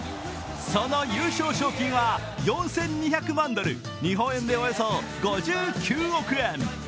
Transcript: その優勝賞金は４２００万ドル日本円でおよそ５９億円。